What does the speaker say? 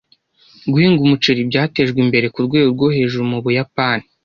Guhinga umuceri byatejwe imbere ku rwego rwo hejuru mu Buyapani.